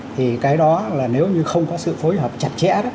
thì cái đó là nếu như không có sự phối hợp chặt chẽ